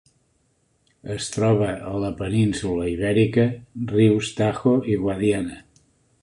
Es troba a la península Ibèrica: rius Tajo i Guadiana.